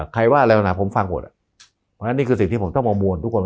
ใครว่าอะไรว่าผมฟังหมดนี่คือสิ่งที่ผมต้องอมวลทุกคน